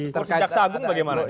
kursi jaksa agung bagaimana